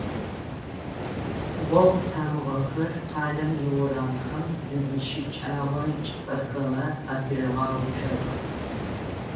Гъогу тамыгъэхэр къалэм иурамхэм зыдищыкӏэгъэ чӏыпӏэхэмэ атырагъэуцох.